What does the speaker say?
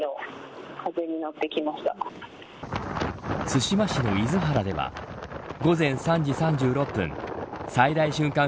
対馬市の厳原では午前３時３６分最大瞬間